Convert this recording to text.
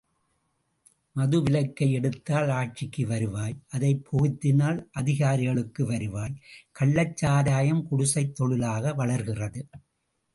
மதுவிலக்கை எடுத்தால் ஆட்சிக்கு வருவாய் அதைப் புகுத்தினால் அதிகாரிகளுக்கு வருவாய் கள்ளச் சாராயம் குடிசைத் தொழிலாக வளர்கிறது.